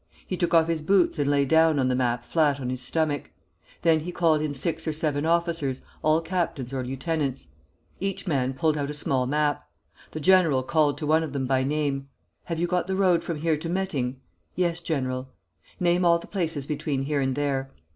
He took off his boots and lay down on the map flat on his stomach. Then he called in six or seven officers, all captains or lieutenants. Each man pulled out a small map. The general called to one of them by name: 'Have you got the road from here to Metting?' 'Yes, General.' 'Name all the places between here and there.'